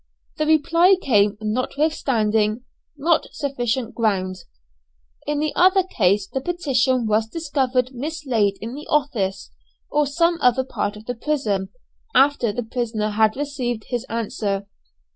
The reply came notwithstanding, "Not sufficient grounds." In the other case the petition was discovered mislaid in the office, or some other part of the prison, after the prisoner had received his answer.